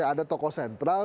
ada tokoh sentral